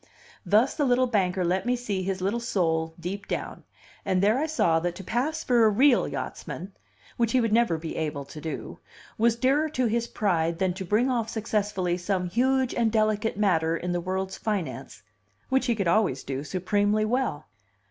Thus the little banker let me see his little soul, deep down; and there I saw that to pass for a real yachtsman which he would never be able to do was dearer to his pride than to bring off successfully some huge and delicate matter in the world's finance which he could always do supremely well.